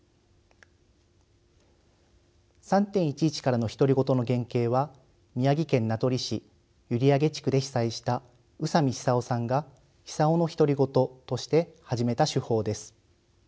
「３．１１からの独り言」の原型は宮城県名取市閖上地区で被災した宇佐美久夫さんが「久夫の独り言」として始めた手法です。